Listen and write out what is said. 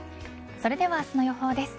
それでは明日の予報です。